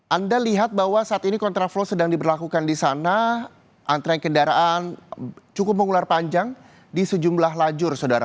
anda lihat bahwa saat ini kontraflow sedang diberlakukan di sana antre kendaraan cukup mengular panjang di sejumlah lajur saudara